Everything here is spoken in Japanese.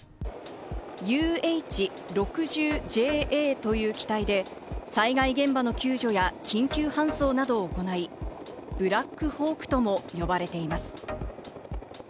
「ＵＨ６０ＪＡ」という機体で、災害現場の救助や緊急搬送などを行い、ブラックホークとも呼ばれています。